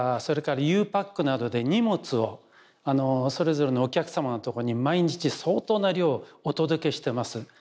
それからゆうパックなどで荷物をそれぞれのお客様のとこに毎日相当な量をお届けしてます。